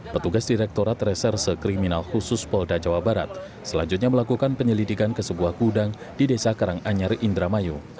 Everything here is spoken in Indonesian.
petugas direkturat reserse kriminal khusus polda jawa barat selanjutnya melakukan penyelidikan ke sebuah gudang di desa karanganyar indramayu